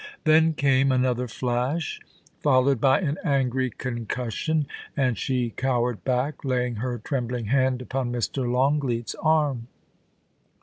Then came another flash, followed by an angry concus sion, and she cowered back, laying her trembling hand upon Mr. Longleat's arm.